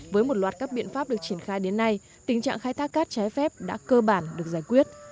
với một loạt các biện pháp được triển khai đến nay tình trạng khai thác cát trái phép đã cơ bản được giải quyết